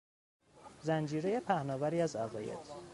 زنجیرهی پهناوری از عقاید